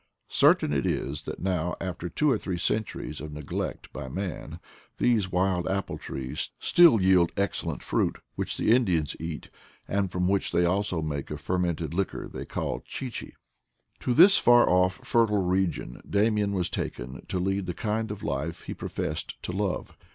Certain it is that now, after two or three centuries of neglect by man, these wild apple trees still yield excellent fruit, which the Indians eat, and from which they also make a fermented liquor they oaXLchi chi. To this far off fertile region Damian was taken to lead the kind of life he professed to love.